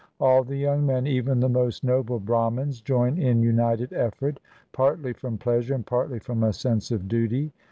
All the young men, even the most noble Brahmins, join in united effort, partly from pleasure and partly from a sense of duty.